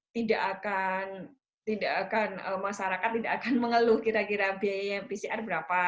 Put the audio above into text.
tidak akan tidak akan masyarakat tidak akan mengeluh kira kira biaya pcr berapa